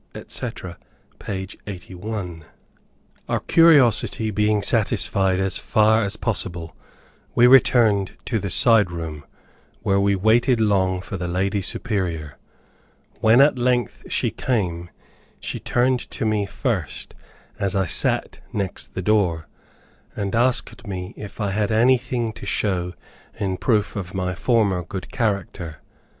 etc., page 81.] Our curiosity being satisfied as far as possible, we returned to the side room, where we waited long for the lady Superior. When at length she came, she turned to me first, as I sat next the door, and asked me if I had anything to show in proof of my former good character.